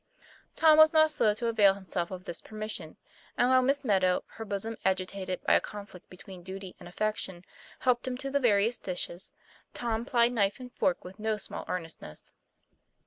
Tom was not slow to avail himself of this permis sion; and while Miss Meadow, her bosom agitated by a conflict between duty and affection, helped him to the various dishes, Tom plied knife and fork with no small earnestness.